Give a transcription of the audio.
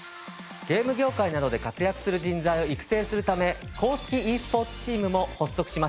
ゲーム業界などで活躍する人材を育成するため公式ｅスポーツチームも発足しました。